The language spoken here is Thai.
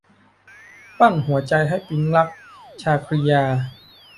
ปั้นหัวใจให้ปิ๊งรัก - ชาครียา